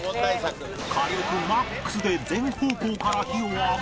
火力 ＭＡＸ で全方向から火を当て